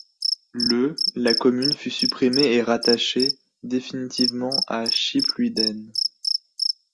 Le la commune fut supprimée et rattachée définitivement à Schipluiden.